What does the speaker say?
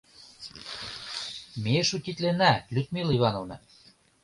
— Ме шутитлена, Людмила Ивановна!